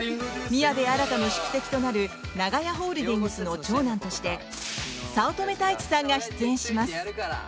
宮部新の宿敵となる長屋ホールディングスの長男として早乙女太一さんが出演します。